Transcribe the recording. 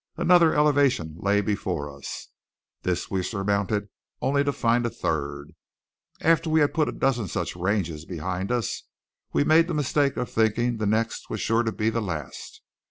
Another elevation lay before us. This we surmounted, only to find a third. After we had put a dozen such ranges behind us, we made the mistake of thinking the next was sure to be the last.